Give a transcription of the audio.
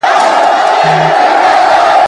په انارګل به ښکلی بهار وي ..